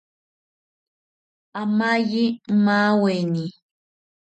Amaye maweni